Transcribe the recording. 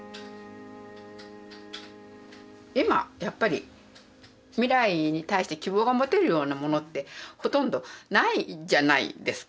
今やっぱり未来に対して希望が持てるようなものってほとんどないじゃないですか。